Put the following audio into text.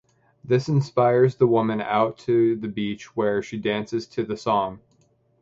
This inspires the woman out to the beach where she dances to the song.